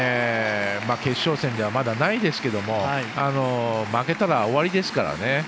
決勝戦ではまだないですけど負けたら終わりですからね。